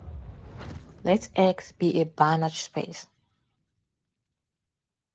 Let "X" be a Banach space.